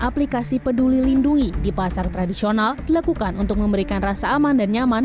aplikasi peduli lindungi di pasar tradisional dilakukan untuk memberikan rasa aman dan nyaman